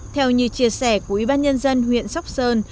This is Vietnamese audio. theo như chia sẻ của ủy ban nhân dân huyện sóc sơn